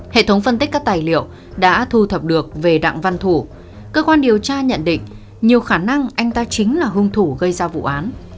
hệ thống phân tích các tài liệu đã thu thập được về đặng văn thủ cơ quan điều tra nhận định nhiều khả năng anh ta chính là hung thủ gây ra vụ án